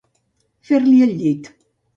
Fer-li el llit.